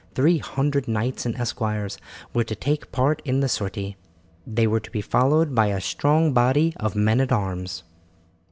Three hundred knights and esquires were to take part in the sortie, they were to be followed by a strong body of men at arms.